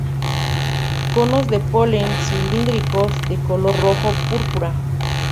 Conos de polen cilíndricos, de color rojo púrpura.